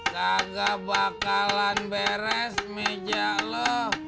kagak bakalan beres meja loh